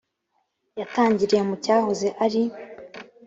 yatangiriye mu cyahoze ari